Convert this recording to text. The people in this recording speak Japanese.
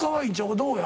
どうや？